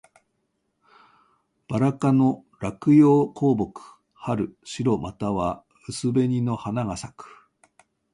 ばら科の落葉高木。春、白または薄紅の花が咲く。